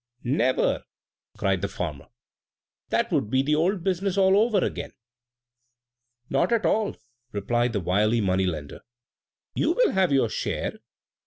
"Never!" cried the farmer; "that would be the old business all over again!" "Not at all!" replied the wily money lender; "you will have your share!